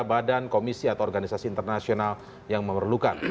badan komisi atau organisasi internasional yang memerlukan